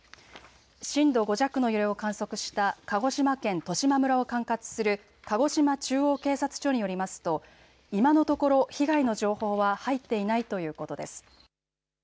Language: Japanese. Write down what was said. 震度５弱の揺れを観測した鹿児島県十島村を管轄する鹿児島中央警察署によりますと今のところ被害の情報は入っていないということです。